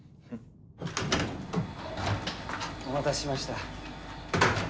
お待たせしました。